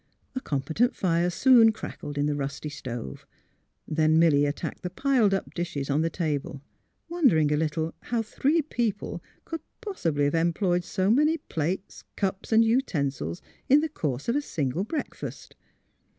A competent fire soon crackled in the rusty stove ; then Milly attacked the piled up dishes on the table, wondering a little how three people could possibly have employed so many plates, cups, and utensils in the course of a single breakfast.